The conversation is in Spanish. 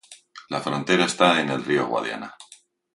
La frontera está en el río Guadiana.